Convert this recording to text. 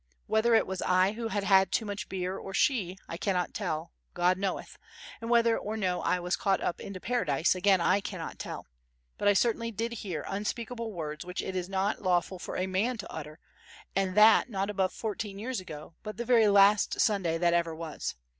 Whether it was I who had had too much beer or she I cannot tell, God knoweth; and whether or no I was caught up into Paradise, again I cannot tell; but I certainly did hear unspeakable words which it is not lawful for a man to utter, and that not above fourteen years ago but the very last Sunday that ever was.